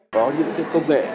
có những công nghệ